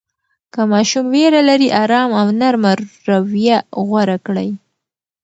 که ماشوم ویره لري، آرام او نرمه رویه غوره کړئ.